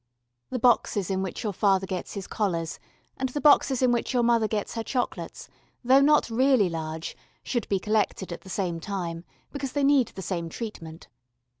The boxes in which your father gets his collars, and the boxes in which your mother gets her chocolates, though not really large, should be collected at the same time, because they need the same treatment.